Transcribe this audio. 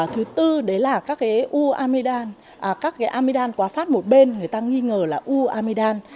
thứ tư đấy là các cái amidam quá phát một bên người ta nghi ngờ là u amidam